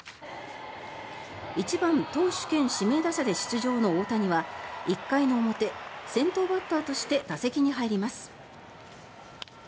１番投手兼指名打者で出場の大谷は１回の表、先頭バッターとして打席に入ります。